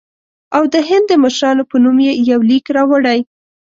او د هند د مشرانو په نوم یې یو لیک راوړی.